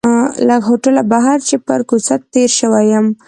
له هوټله بهر چې پر کوڅه تېر شوی یم.